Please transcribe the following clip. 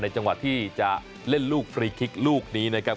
จังหวะที่จะเล่นลูกฟรีคลิกลูกนี้นะครับ